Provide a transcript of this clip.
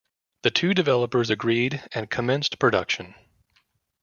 The two developers agreed and commenced production.